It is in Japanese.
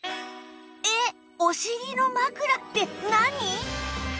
えっお尻のまくらって何？